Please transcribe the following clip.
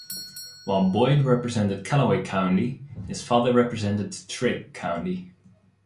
While Boyd represented Calloway County, his father represented Trigg County.